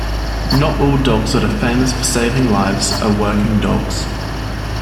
Not all dogs that are famous for saving lives are working dogs.